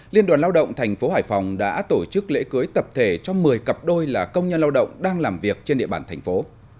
liên đoàn lao động thành phố hải phòng đã tổ chức lễ cưới tập thể cho một mươi cặp đôi là công nhân lao động đang làm việc trên địa bàn thành phố